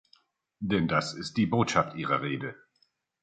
Denn das ist die Botschaft Ihrer Rede.